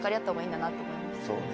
そうね。